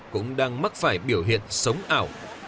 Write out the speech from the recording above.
cũng đang mắc phải biểu hiện sống ảo